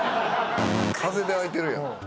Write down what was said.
風で開いてるやん。